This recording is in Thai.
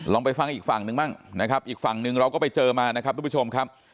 ไปฟังอีกฝั่งหนึ่งบ้างนะครับอีกฝั่งหนึ่งเราก็ไปเจอมานะครับทุกผู้ชมครับ